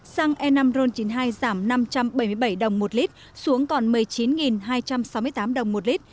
xăng e năm ron chín mươi hai giảm năm trăm bảy mươi bảy đồng một lit xuống còn một mươi chín hai trăm sáu mươi tám đồng một lít